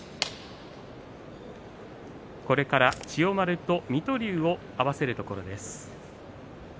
これから千代丸と水戸龍を合わせるところです。